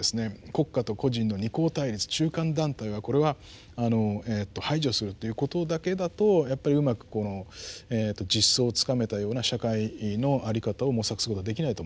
国家と個人の二項対立中間団体はこれは排除するということだけだとやっぱりうまく実相をつかめたような社会の在り方を模索することはできないと思います。